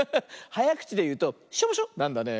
はやくちでいうと「しょぼしょ」なんだね。